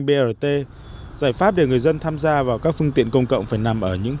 nhưng đối với btrt giải pháp để người dân tham gia vào các phương tiện công cộng phải nằm ở những